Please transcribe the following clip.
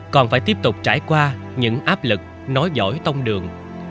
còn phải tiếp tục trải qua những áp lực nối giỏi tông đường